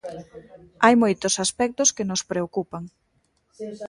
Hai moitos aspectos que nos preocupan.